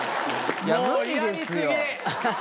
いや無理ですよ。